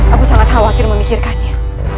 aku sangat khawatir memikirkannya